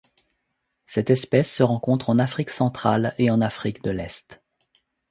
Cette espèce se rencontre en Afrique centrale et en Afrique de l'Est.